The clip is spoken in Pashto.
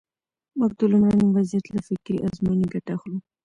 موږ د لومړني وضعیت له فکري ازموینې ګټه اخلو.